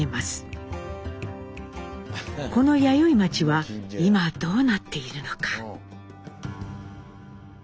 この弥生町は今どうなっているのか。